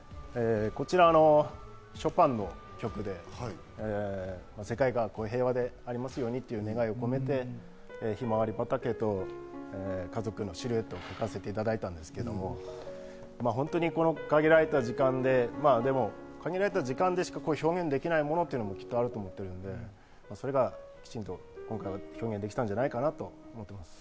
こちらショパンの曲で、世界が平和でありますようにという願いを込めて、ひまわり畑と家族のシルエットを描かせていただいたんですけど、本当に限られた時間で、でも限られた時間でしか表現できないものというのもいっぱいあると思っているので、今回、それを表現できたんじゃないかなと思います。